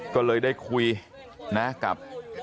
ก็เลยได้คุยนะกับ